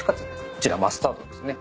こちらマスタードですね。